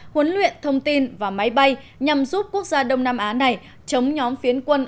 huấn luyện thông tin và máy bay nhằm giúp quốc gia đông nam á này chống nhóm phiến quân